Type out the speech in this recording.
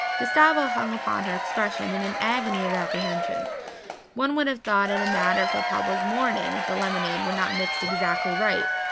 Gustavo hung upon her expression in an agony of apprehension; one would have thought it a matter for public mourning if the lemonade were not mixed exactly right.